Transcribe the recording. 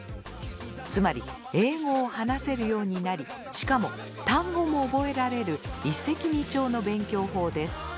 つまり英語を話せるようになりしかも単語も覚えられる一石二鳥の勉強法です。